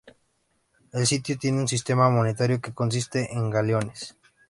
El sitio tiene un sistema monetario que consiste en "galeones".